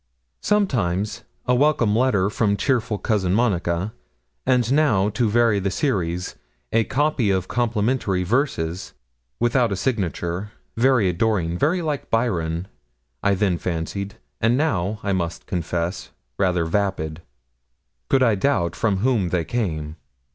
Sometimes a welcome letter from cheerful Cousin Monica; and now, to vary the series, a copy of complimentary verses, without a signature, very adoring very like Byron, I then fancied, and now, I must confess, rather vapid. Could I doubt from whom they came?